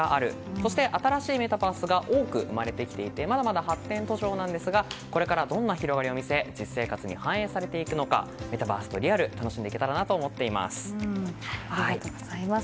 そして新しいメタバースが多く生まれてきていてまだまだ発展途上なんですがこれからどんな広がりを見せ実生活に反映されていくのかメタバースのリアル楽しんでいけたらなとありがとうございます。